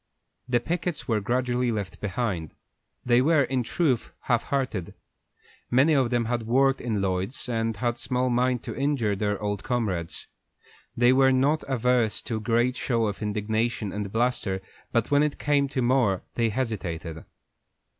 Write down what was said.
The pickets were gradually left behind; they were, in truth, half hearted. Many of them had worked in Lloyd's, and had small mind to injure their old comrades. They were not averse to a great show of indignation and bluster, but when it came to more they hesitated.